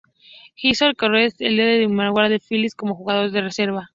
Hizo el roster del Día inaugural de los Filis como jugador de reserva.